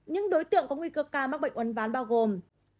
những đối tượng có nguy cơ ca mắc bệnh uốn ván bao gồm